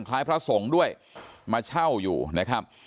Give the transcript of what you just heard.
คล้ายพระสงฆ์ด้วยมาเช่าอยู่นะครับ